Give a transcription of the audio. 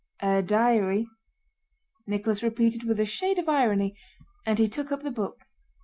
"A diary?" Nicholas repeated with a shade of irony, and he took up the book.